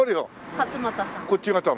勝俣さん。